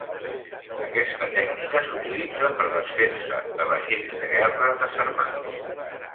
Aquesta tècnica s'utilitza per desfer-se de vaixells de guerra desarmats.